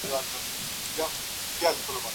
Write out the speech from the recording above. سالم مصروفیتونه د ځوانانو ذهن فعال ساتي.